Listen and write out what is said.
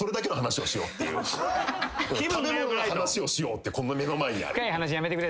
食べ物の話をしようってこの目の前にある。